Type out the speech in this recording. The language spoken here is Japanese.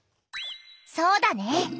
そうだね。